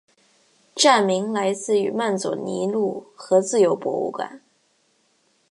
站名来自于曼佐尼路和自由博物馆。